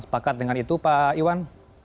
sepakat dengan itu pak iwan